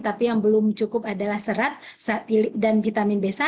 tapi yang belum cukup adalah serat dan vitamin b satu